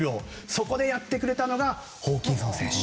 そこでやってくれたのがホーキンソン選手。